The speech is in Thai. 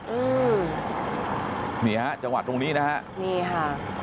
อืมนี่ฮะจังหวัดตรงนี้นะฮะนี่ค่ะ